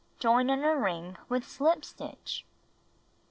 Join in a ring with slip stitch.